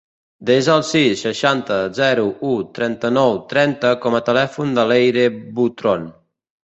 Desa el sis, seixanta, zero, u, trenta-nou, trenta com a telèfon de l'Eire Butron.